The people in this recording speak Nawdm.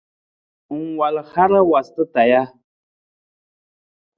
Ng wal hara waasata taa ja?